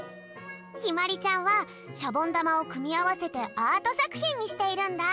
ひまりちゃんはシャボンだまをくみあわせてアートさくひんにしているんだ。